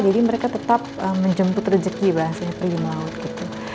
jadi mereka tetap menjemput rezeki bahasanya pergi ke laut gitu